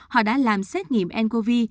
họ đã làm xét nghiệm ncov